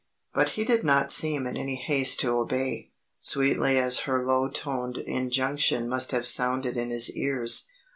But he did not seem in any haste to obey, sweetly as her low toned injunction must have sounded in his ears.